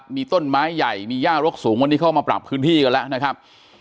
มีต้นไม้ใหญ่มีย่ารกสูงวันนี้เข้ามาปรับพื้นที่กันแล้วนะครับ